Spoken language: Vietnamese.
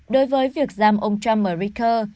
đối với việc giam ông trump ở ricker